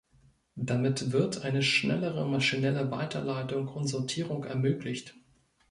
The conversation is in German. Damit wird eine schnellere maschinelle Weiterleitung und Sortierung ermöglicht.